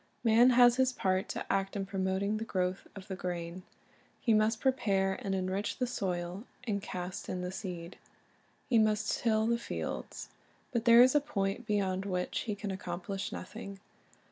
Man has his part to act in promoting the growth of the grain. He must prepare and enrich the soil and cast in the seed. He must till the fields. But there is a point beyond which he can accomplish nothing.